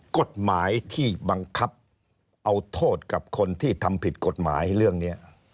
กฎหมายที่บังคับเอาโทษกับคนที่ทำผิดกฎหมายเรื่องนี้